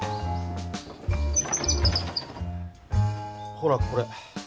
ほらこれ！